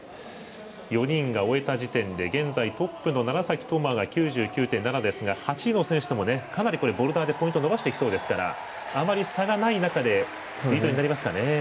４人が終えた時点で現在トップの楢崎智亜が９９．７ですが、８位の選手ともかなりボルダーでポイントを伸ばしてきそうですからあまり差がない中でリードになりますかね。